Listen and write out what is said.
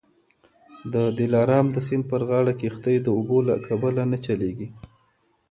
د دلارام د سیند پر غاړه کښتۍ د اوبو له کبله نه چلیږي